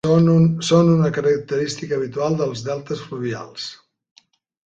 Són una característica habitual dels deltes fluvials.